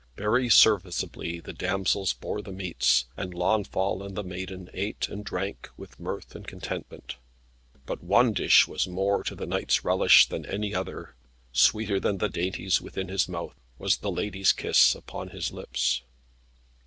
Very serviceably the damsels bore the meats, and Launfal and the Maiden ate and drank with mirth and content. But one dish was more to the knight's relish than any other. Sweeter than the dainties within his mouth, was the lady's kiss upon his lips.